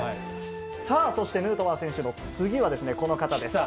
さあ、そしてヌートバー選手の次は、この方です。